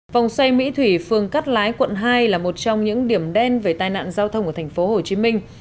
vòng xoay mỹ thủy phường cát lái quận hai là một trong những điểm đen về tai nạn giao thông ở thành phố hồ chí minh